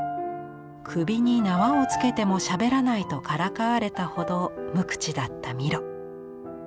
首に縄をつけてもしゃべらないとからかわれたほど無口だったミロ。